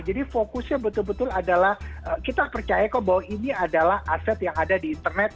jadi fokusnya betul betul adalah kita percaya kok bahwa ini adalah aset yang ada di internet